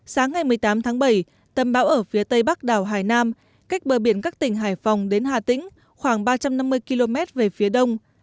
sáng ngày một mươi tám tháng bảy tâm bão ở phía tây bắc đảo hải nam cách bờ biển các tỉnh hải phòng đến hà tĩnh khoảng ba trăm năm mươi km về phía đông